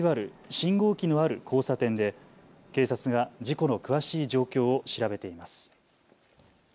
信号機のある交差点で警察が事故の詳しい状況を調べています。